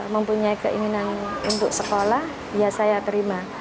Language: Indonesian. mempunyai keinginan untuk sekolah ya saya terima